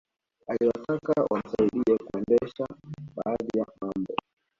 Aliwataka wamsaidie kuendesha baadhi ya mambo